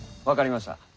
分かりました。